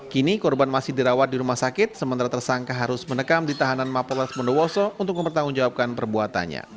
kini korban masih dirawat di rumah sakit sementara tersangka harus menekam di tahanan mapolres bondowoso untuk mempertanggungjawabkan perbuatannya